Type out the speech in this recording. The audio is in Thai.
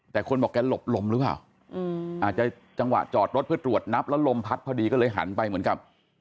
แต่คนบอกแกหลบลมหรือเปล่าอาจจะจังหวะจอดรถเพื่อตรวจนับ